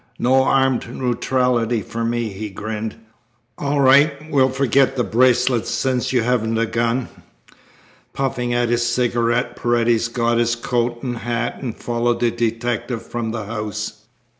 "No armed neutrality for me," he grinned. "All right. We'll forget the bracelets since you haven't a gun." Puffing at his cigarette, Paredes got his coat and hat and followed the detective from the house.